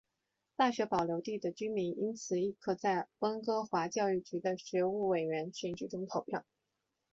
大学保留地的居民因此亦可在温哥华教育局的学务委员选举中投票。